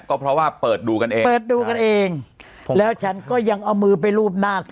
ก็เพราะว่าเปิดดูกันเองเปิดดูกันเองแล้วฉันก็ยังเอามือไปรูปหน้าเธอ